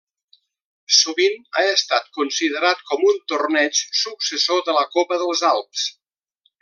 Sovint ha estat considerat com un torneig successor de la Copa dels Alps.